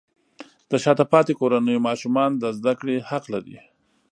د شاته پاتې کورنیو ماشومان د زده کړې حق لري.